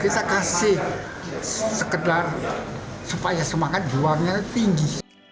kita kasih sekedar supaya semangat juangnya tinggi